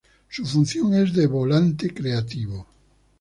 Su función es de volante creativo.